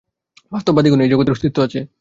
বাস্তববাদিগণ বলেন, এই জগতের অস্তিত্ব আছে।